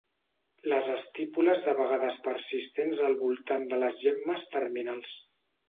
Les estípules de vegades persistents al voltant de les gemmes terminals.